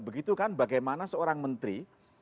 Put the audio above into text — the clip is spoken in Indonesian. begitu kan bagaimana seorang menteri